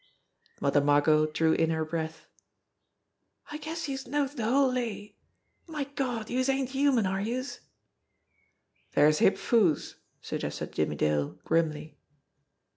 Mother Margot drew in her breath. "I guess youse knows de whole lay. My Gawd, youse ain't human, are youse?" "There's Hip Foo's," suggested Jimmie Dale grimly.